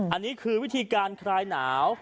อันนี้คือวิธีการคลายหนาว